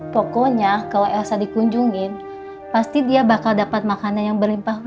pokoknya kalau elsa dikunjungin pasti dia bakal dapat makanan yang berlimpah